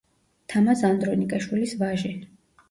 თამაზ ანდრონიკაშვილის ვაჟი.